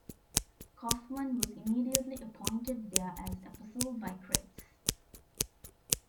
Kofman was immediately appointed there as apostle by Krebs.